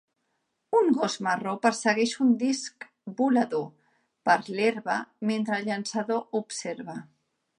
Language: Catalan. Un gos marró persegueix un disc volador per l'herba mentre el llançador observa